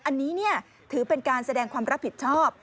อันนี้ถือเป็นการแสดงความรับผิดชอบ